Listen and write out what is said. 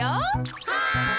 はい！